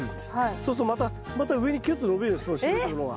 そうするとまたまた上にキュッと伸びるんですその白いところが。